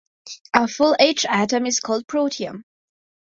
A full H atom is called protium.